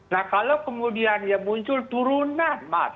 nah kalau kemudian muncul turunan maks